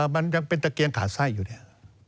มันยังเป็นตะเกียงขาดไส้อยู่เนี่ย